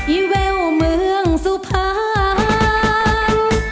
อีแววเมืองสุภาณ